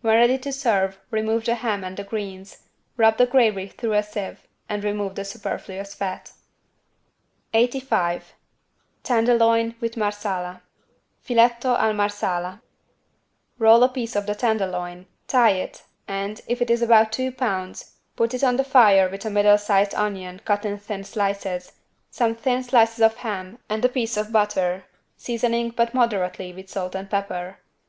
When ready to serve remove the ham and the greens, rub the gravy through a sieve and remove the superfluous fat. 85 TENDERLOIN WITH MARSALA (Filetto al marsala) Roll a piece of the tenderloin, tie it and, if it is about two pounds, put it on the fire with a middle sized onion cut in thin slices, some thin slices of ham and a piece of butter, seasoning but moderately with salt and pepper.